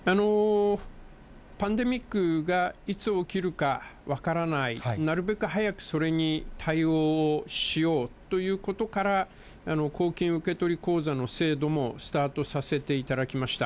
パンデミックがいつ起きるか分からない、なるべく早くそれに対応をしようということから、公金受取口座の制度もスタートさせていただきました。